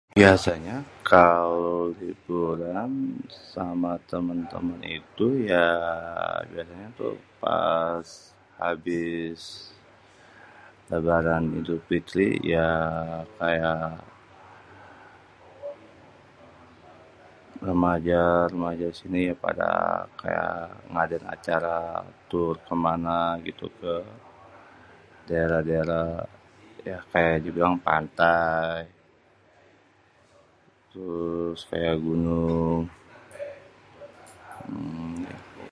biasanya kalo liburan sama temen-temen itu ya biasanya tuh pas abis lebaran Idul Fitri. yaa kaya remaja-remaja sini, pada kaya ngadain acara kemana gitu. ke daerah-daerah kaya dibilang pantai terus kaya gunung, gitu.